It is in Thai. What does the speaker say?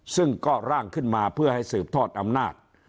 ซึ่งก็ร่างขึ้นมาเพื่อให้สืบทอดอำนาจ